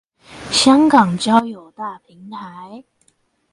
香港交友大平台